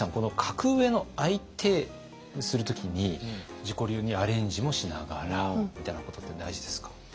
格上の相手をする時に自己流にアレンジもしながらみたいなことって大事ですか？